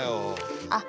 あっ